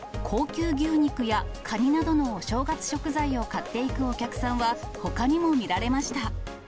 高級牛肉やカニなどのお正月食材を買っていくお客さんはほかにも見られました。